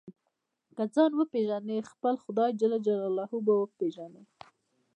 که ځان وپېژنې خپل خدای جل جلاله به وپېژنې.